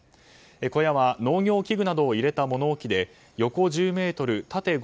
小屋は農業器具などを入れた物置で横１０ｍ、縦５ｍ